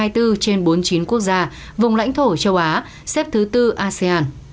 trên bốn mươi chín quốc gia vùng lãnh thổ châu á xếp thứ bốn asean